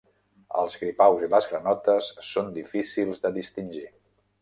Els gripaus i les granotes són difícils de distingir.